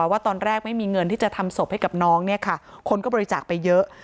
ว่าตอนแรกไม่มีเงินที่จะทำศพให้กับน้องเนี่ยค่ะคนก็บริจาคไปเยอะ